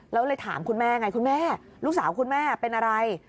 แล้วเลยถามคุณแม่ไงคุณแม่ลูกสาวคุณแม่เป็นอะไร